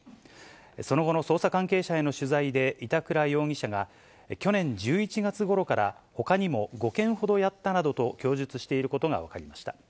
その後の捜査関係者への取材で、板倉容疑者が、去年１１月ごろから、ほかにも５件ほどやったなどと供述していることが分かりました。